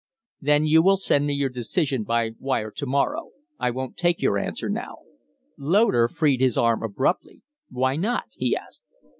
"Then you will send me your decision by wire to morrow. I won't take your answer now." Loder freed his arm abruptly. "Why not?" he asked.